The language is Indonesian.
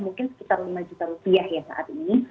mungkin sekitar lima juta rupiah ya saat ini